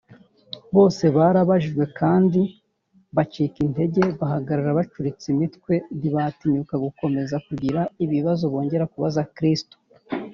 bose barajijwe kandi bacika intege, bahagarara bacuritse imitwe ntibatinyuka gukomeza kugira ibibazo bongera kubaza kristo